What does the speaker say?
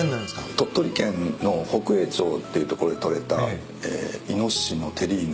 鳥取県の北栄町っていう所で取れたイノシシのテリーヌ。